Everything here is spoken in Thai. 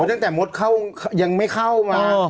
จนตั้งแต่มดไม่เข้ามา